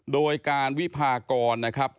โดยการวิพากรนะครับ